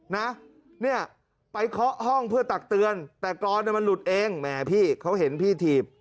นะเนี่ยไปเคาะห้องเพื่อตักเตือนแต่กรอนมันหลุดเองแหมพี่เขาเห็นพี่ถีบ